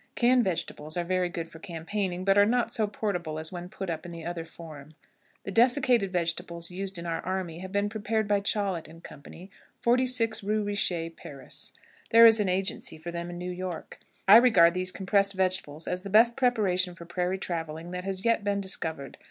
Canned vegetables are very good for campaigning, but are not so portable as when put up in the other form. The desiccated vegetables used in our army have been prepared by Chollet and Co., 46 Rue Richer, Paris. There is an agency for them in New York. I regard these compressed vegetables as the best preparation for prairie traveling that has yet been discovered.